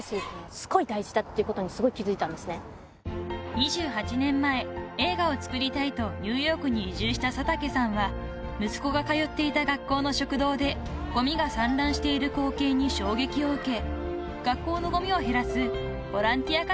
［２８年前映画を作りたいとニューヨークに移住した佐竹さんは息子が通っていた学校の食堂でごみが散乱している光景に衝撃を受け学校のごみを減らすボランティア活動を始めました］